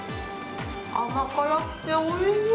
甘辛くておいしい。